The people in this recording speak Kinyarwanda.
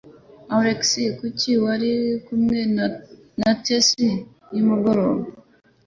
Alex, kuki wari kumwe na Tessa nimugoroba?